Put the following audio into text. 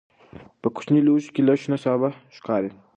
په کوچني لوښي کې لږ شنه سابه ښکاري.